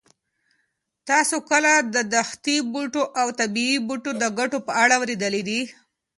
تاسو کله د دښتي بوټو او طبي بوټو د ګټو په اړه اورېدلي دي؟